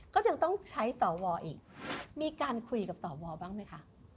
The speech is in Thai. ก็ยังต้องใช้สวอีกมีการคุยกับสวบ้างไหมคะ